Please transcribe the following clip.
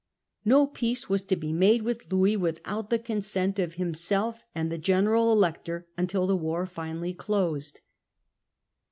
No Oct. 17, 1672. p eace was to b e ma d e w ith Louis without the consent of himself and the Grand Elector until the war finally closed.